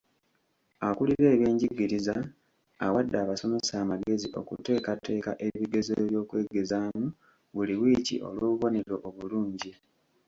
Akulira ebyenjigiriza awadde abasomesa amagezi okuteeketeeka ebigezo by'okwegezaamu buli wiiki olw'obubonero obulungi.